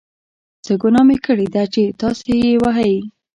څه ګناه مې کړې ده چې تاسې یې وهئ.